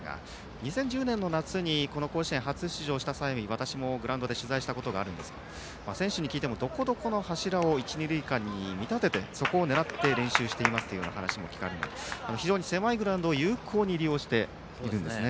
２０１０年の夏に甲子園に初出場した際に私もグラウンドで取材をしたことがあるんですが選手に聞いても、どこどこの柱を一、二塁間に見立ててそこを狙って練習していますというような話も聞かれて非常に狭いグラウンドを有効に利用しているんですね。